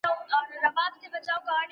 ځان وژنه بې له سببه نه کيږي.